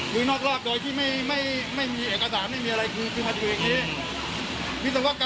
คือตอนก่อสร้างเนี่ยนะตอนที่เขาก่อสร้างเนี่ยครับผม